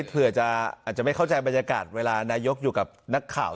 เผื่อจะอาจจะไม่เข้าใจบรรยากาศเวลานายกอยู่กับนักข่าว